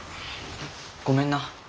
ごめんな。